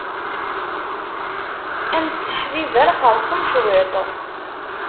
Ad nesseḥbiber xerṣum cwit.